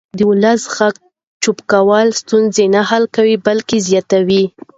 د ولس غږ چوپ کول ستونزې نه حل کوي بلکې زیاتوي